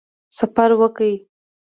سفر وکړ.